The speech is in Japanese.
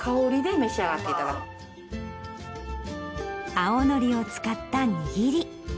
青のりを使った握り。